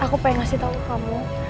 aku pengen ngasih tau kamu